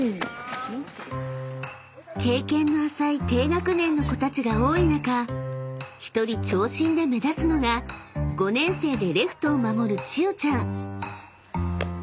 ［経験の浅い低学年の子たちが多い中１人長身で目立つのが５年生でレフトを守る］